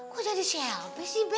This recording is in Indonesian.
kok jadi shelby sih be